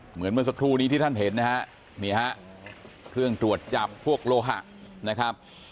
เหมือนเมื่อสักครู่นี้ที่ท่านเห็นนะฮะนี่ฮะเครื่องตรวจจับพวกโลหะนะครับ